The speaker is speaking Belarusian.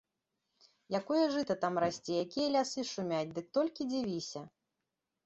Якое жыта там расце, якія лясы шумяць, дык толькі дзівіся!